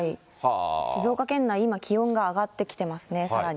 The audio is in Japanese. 静岡県内、今、気温が上がってきてますね、さらに。